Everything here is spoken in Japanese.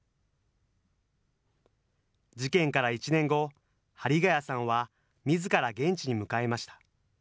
事件から１年後、針谷さんはみずから現地に向かいました。